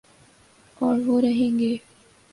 اوروہ رہیں گے۔